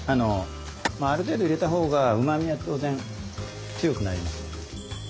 まあある程度入れた方がうまみは当然強くなります。